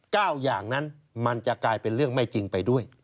อย่างนั้นมันจะกลายเป็นเรื่องไม่จริงไปด้วย